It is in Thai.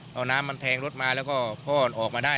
เอาน้ำมันแทงรถมาแล้วก็พ่อออกมาได้